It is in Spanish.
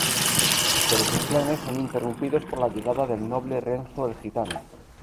Pero sus planes son interrumpidos por la llegada del noble Renzo el Gitano.